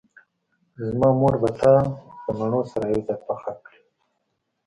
زما مور به تا له مڼو سره یوځای پاخه کړي